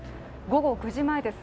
午後９時前です。